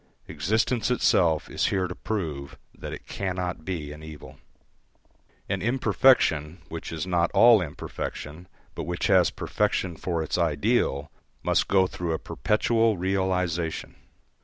Existence itself is here to prove that it cannot be an evil. An imperfection which is not all imperfection, but which has perfection for its ideal, must go through a perpetual realisation.